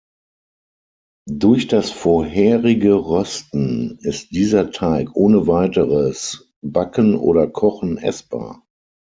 Durch das vorherige Rösten ist dieser Teig ohne weiteres Backen oder Kochen essbar.